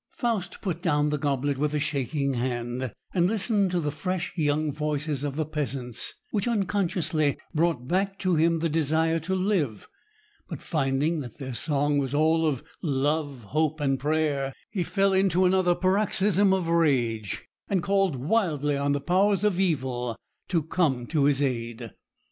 Faust put down the goblet with a shaking hand and listened to the fresh young voices of the peasants, which unconsciously brought back to him the desire to live; but finding that their song was all of love, hope, and prayer, he fell into another paroxysm of rage, and called wildly on the powers of evil to come to his aid.